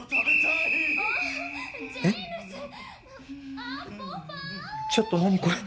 ああっちょっと何これ？